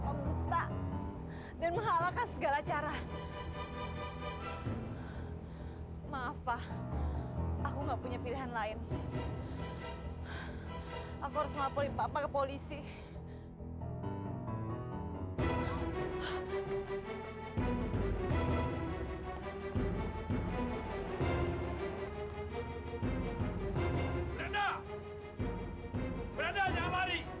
kita cari selama namasim masim